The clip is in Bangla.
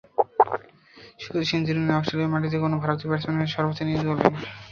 শুধু সেঞ্চুরিই নয়, অস্ট্রেলিয়ার মাটিতে কোনো ভারতীয় ব্যাটসম্যানের হয়ে সর্বোচ্চ ইনিংস গড়লেন।